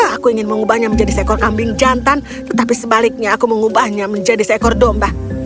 aku ingin mengubahnya menjadi seekor kambing jantan tetapi sebaliknya aku mengubahnya menjadi seekor domba